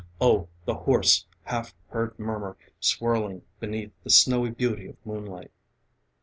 Oh, the hoarse Half heard murmur swirling beneath The snowy beauty of moonlight....